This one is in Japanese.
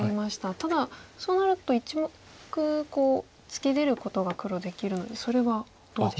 ただそうなると１目突き出ることが黒できるのでそれはどうでしょう。